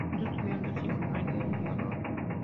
Juntos tuvieron dos hijos, Noelia y Harold.